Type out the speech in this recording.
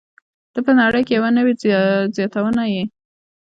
ته په نړۍ کې یوه نوې زياتونه يې.